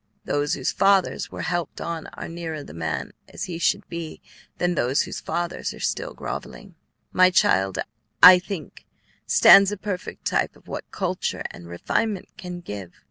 Those whose fathers were helped on are nearer the man as he should be than those whose fathers are still grovelling. My child, I think, stands a perfect type of what culture and refinement can give.